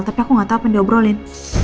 tapi aku gak tau apa yang diobrolin